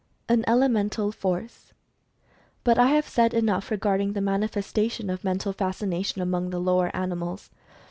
AN ELEMENTAL FORCE. But I have said enough regarding the manifestation of Mental Fascination among the lower animals.